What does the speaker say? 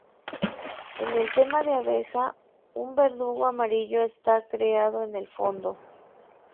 En el tema de abeja, un verdugo amarillo está creado en el fondo.